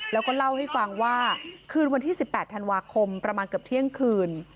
แล้วก็เล่าให้ฟังว่าคืนวันที่๑๘ธันวาคมประมาณเกือบเที่ยงคืน